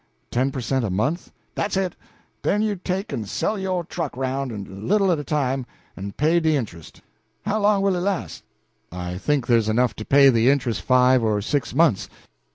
"Ten per cent. a month?" "Dat's it. Den you take and sell yo' truck aroun', a little at a time, en pay de intrust. How long will it las'?" "I think there's enough to pay the interest five or six months."